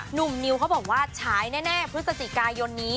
หนุ่มนิวเขาบอกว่าฉายแน่พฤศจิกายนนี้